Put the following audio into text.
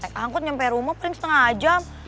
naik angkut nyampe rumah kering setengah jam